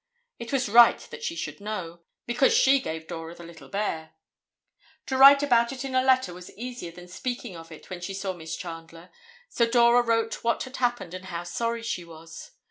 It was right that she should know, because she gave Dora the little bear. To write about it in a letter was easier than speaking of it when she saw Miss Chandler, so Dora wrote what had happened and how sorry she was.